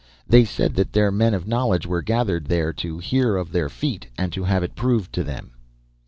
They said that their men of knowledge were gathered there to hear of their feat, and to have it proved to them.